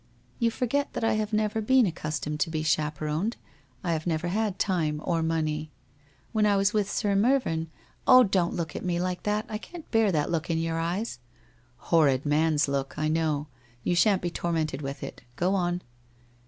' You forget that I have never been accustomed to be chaperoned, I have never had time or money. When I was with Sir Mervyn — oh, don't look at me like that! I can't bear that look in your eyes.' ' Horrid man's look ! I know. You shan't be tor mented with it. Go on.'